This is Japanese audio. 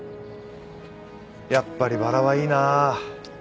やっぱりバラはいいな